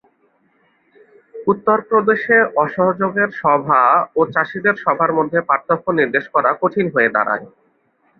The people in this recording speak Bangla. উত্তর প্রদেশে অসহযোগের সভা ও চাষীদের সভার মধ্যে পার্থক্য নির্দেশ করা কঠিন হয়ে দাঁড়ায়।